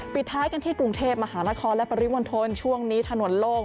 ปิดท้ายกันที่กรุงเทพมหานครและปริมณฑลช่วงนี้ถนนโล่ง